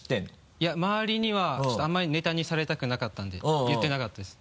いや周りにはちょっとあんまりネタにされたくなかったんで言ってなかったです。